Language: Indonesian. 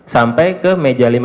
sampai ke meja lima puluh empat ya